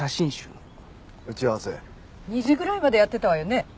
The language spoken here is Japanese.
２時ぐらいまでやってたわよね？